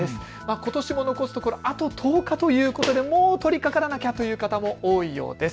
ことしも残すところ、あと１０日ということでもう取りかからなきゃという方多いようです。